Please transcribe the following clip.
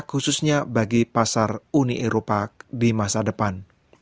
khususnya bagi pasar uni eropa di masa depan